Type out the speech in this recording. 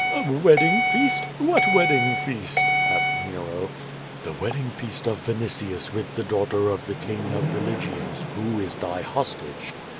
"A wedding feast? What wedding feast?" asked Nero. "The wedding feast of Vinitius with the daughter of the king of the Lygians, who is thy hostage.